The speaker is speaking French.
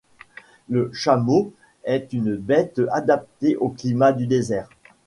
Le chameau est une bête adaptée au climat du désert